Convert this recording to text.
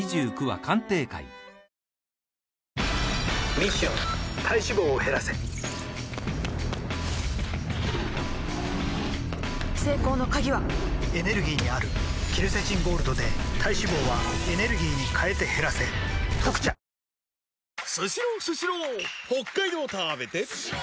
ミッション体脂肪を減らせ成功の鍵はエネルギーにあるケルセチンゴールドで体脂肪はエネルギーに変えて減らせ「特茶」日本最古の随筆と言われているんですよね